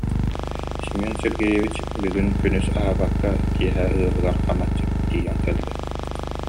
Семен Сергеевич бүгүн күнүс аһаабакка, киэһэ ыалыгар хам аччык тиийэн кэллэ